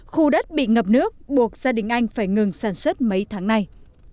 khu đất bị ngập nước buộc gia đình anh phải ngừng sản xuất mấy tháng nay